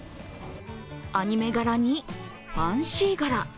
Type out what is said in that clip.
アニメ柄にファンシー柄。